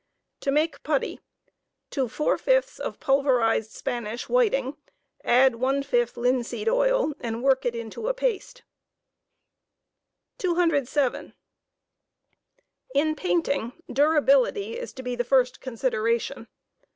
To make putty : to four fifths of pulverized Spanish whiting add one fifth linseed oil,.and work it into a paste. i55n^tot pntp 207 I* painting, durability is to be the first consideration.